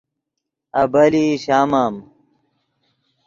ابیلئی شامم